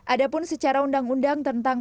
adapun secara undang undang tentang